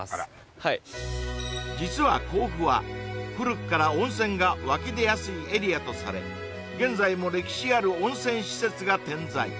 はい実は甲府は古くから温泉が湧き出やすいエリアとされ現在も歴史ある温泉施設が点在